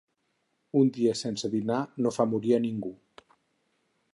Un dia sense dinar no fa morir a ningú.